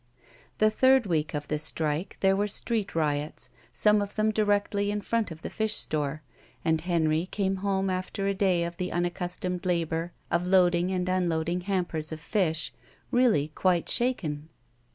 The third week of the strike there were street 214 GUILTY riots, some of them directly in front of the fish store, and Henry came home after a day of the unaccus tomed labor of loading and unloading hampers of fish, really quite shaken.